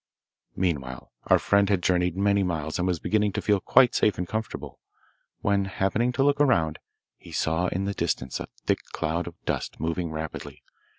Meanwhile our friend had journeyed many miles, and was beginning to feel quite safe and comfortable, when, happening to look round, he saw in the distance a thick cloud of dust moving rapidly.